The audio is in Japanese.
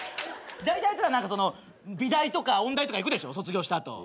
だいたいあいつら美大とか音大とか行くでしょ卒業した後。